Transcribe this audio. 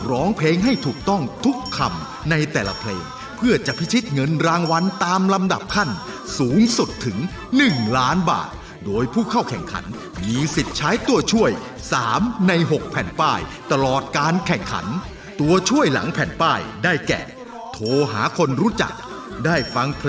ขอบคุณมากที่ความสุขแล้วสุขกันมาไม่ว่าเค้าจะเป็นอย่างนี้เดี๋ยวก็รับได้